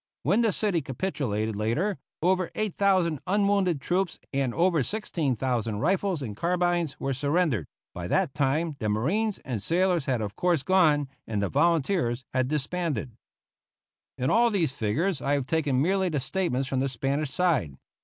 When the city capitulated later, over 8,000 unwounded troops and over 16,000 rifles and carbines were surrendered; by that time the marines and sailors had of course gone, and the volunteers had disbanded. In all these figures I have taken merely the statements from the Spanish side.